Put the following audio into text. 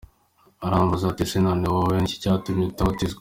Arambaza ati :” Ese none wowe ni iki cyatumye utabatizwa ?